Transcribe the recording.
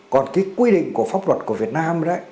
còn cái quy định của pháp luật của việt nam